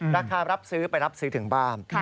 รับซื้อไปรับซื้อถึงบ้าน